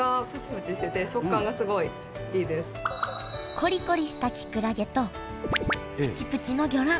コリコリしたきくらげとプチプチの魚卵。